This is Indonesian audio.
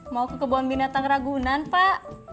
mau ke kebun binatang ragunan pak